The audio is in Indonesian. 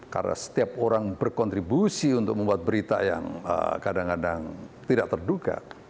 karena setiap orang berkontribusi untuk membuat berita yang kadang kadang tidak terduga